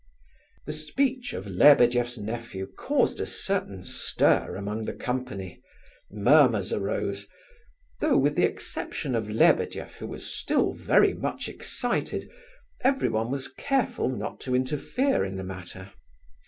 The speech of Lebedeff's nephew caused a certain stir among the company; murmurs arose, though with the exception of Lebedeff, who was still very much excited, everyone was careful not to interfere in the matter.